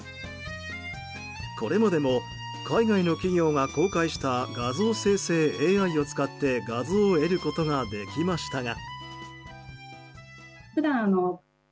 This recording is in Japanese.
これまでも海外の企業が公開した画像生成ＡＩを使って画像を得ることができましたが。